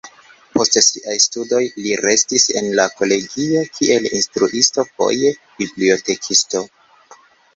Post siaj studoj li restis en la kolegio kiel instruisto, foje bibliotekisto.